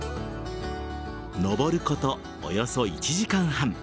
登ること、およそ１時間半。